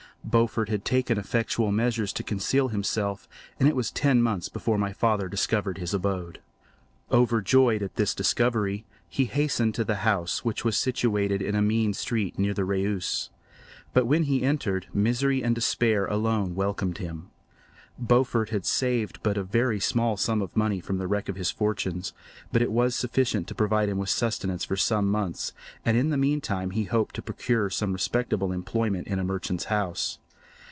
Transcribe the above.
Beaufort had taken effectual measures to conceal himself, and it was ten months before my father discovered his abode. Overjoyed at this discovery, he hastened to the house, which was situated in a mean street near the Reuss. But when he entered, misery and despair alone welcomed him. Beaufort had saved but a very small sum of money from the wreck of his fortunes, but it was sufficient to provide him with sustenance for some months, and in the meantime he hoped to procure some respectable employment in a merchant's house.